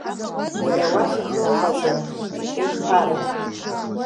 Иара уахь ихы ыҟаӡам, — иҳәеит Ԥара.